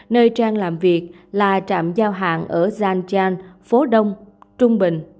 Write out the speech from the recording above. nơi trang làm việc là trạm giao hàng ở nhan chan phố đông trung bình